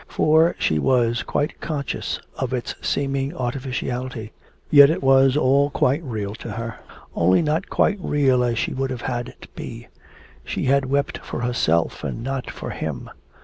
For she was quite conscious of its seeming artificiality. Yet it was all quite real to her, only not quite real as she would have had it be. She had wept for herself and not for him!